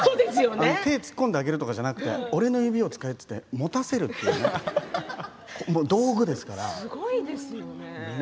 手を突っ込んであげるとかじゃなくて俺の指を使えって持たせるというすごいですね。